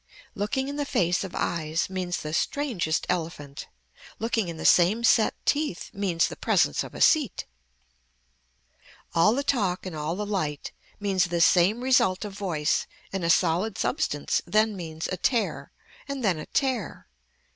Looking in the face of eyes means the strangest elephant. Looking in the same set teeth means the presence of a seat. All the talk and all the light means the same result of voice and a solid substance then means a tear and then a tear.